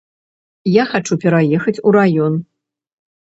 Я хачу пераехаць у раён.